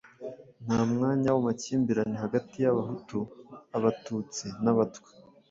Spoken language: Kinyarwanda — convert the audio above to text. nta mwanya w'amakimbirane hagati y'Abahutu, Abatutsi n'Abatwa.